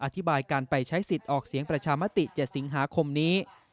อธิบายการไปใช้สิทธิ์ออกเสียงประชามติ๗สิงหาคมนี้